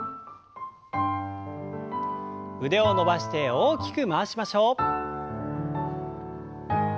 腕を伸ばして大きく回しましょう。